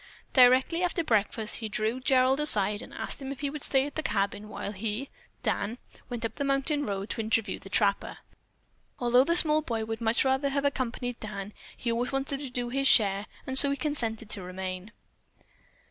Directly after breakfast he drew Gerald aside and asked him if he would stay at the cabin while he (Dan) went up the mountain road to interview the trapper. Although the small boy would much rather have accompanied Dan, he always wanted to do his share, and so he consented to remain.